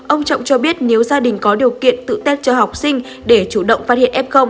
ông trọng cho biết nếu gia đình có điều kiện tự tet cho học sinh để chủ động phát hiện f